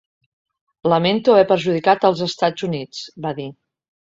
Lamento haver perjudicat els Estats Units, va dir.